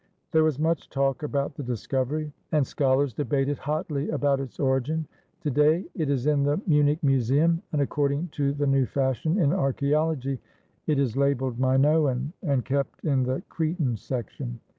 There was much talk about the discovery, and scholars debated hotly about its origin. To day it is in the Munich Museum, and according to the new fashion in archaeology it is labeled "Minoan," and kept in the Cretan Section.